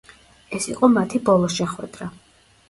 ეს იყო მათი ბოლო შეხვედრა.